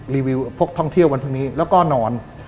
รีวิวพวกท่องเที่ยววันพรุ่งนี้แล้วก็นอน